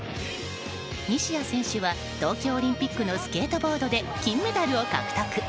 西矢選手は東京オリンピックのスケートボードで金メダルを獲得。